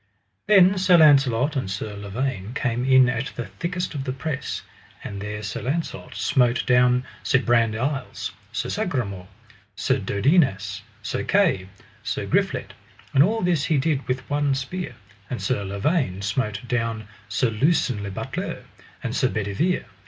Then Sir Launcelot and Sir Lavaine came in at the thickest of the press, and there Sir Launcelot smote down Sir Brandiles, Sir Sagramore, Sir Dodinas, Sir Kay, Sir Griflet, and all this he did with one spear; and Sir Lavaine smote down Sir Lucan le Butler and Sir Bedevere.